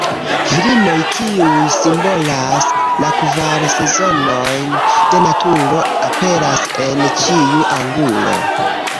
Virinoj kiuj simbolas la kvar sezonojn de naturo aperas en ĉiu angulo.